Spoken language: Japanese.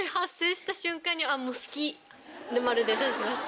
で「○」で出しました。